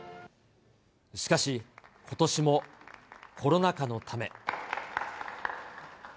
しかし、ことしもコロナ禍のため。